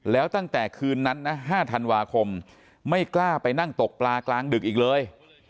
แล้วตั้งแต่คืนนั้นนะ๕ธันวาคมไม่กล้าไปนั่งตกปลากลางดึกอีกเลย